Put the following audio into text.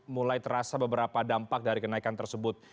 mulai terasa beberapa dampak dari kenaikan tersebut